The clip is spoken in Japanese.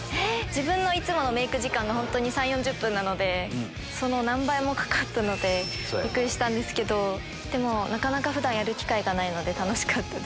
自分のいつものメイク時間が３０４０分なのでその何倍もかかったのでびっくりしたけどでも普段やる機会がないので楽しかった。